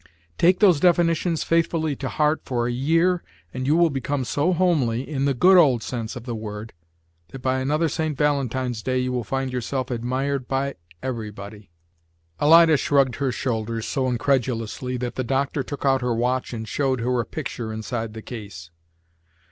Take those definitions faithfully to heart for a year, and you will become so homely, in the good old sense of the word, that by another St. Valentine's day you will find yourself admired by everybody." Alida shrugged her shoulders so incredulously that the doctor took out her watch and showed her a picture inside the case.